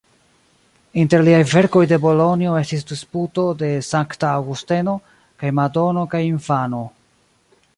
Inter liaj verkoj de Bolonjo estis "Disputo de Sankta Aŭgusteno" kaj "Madono kaj infano".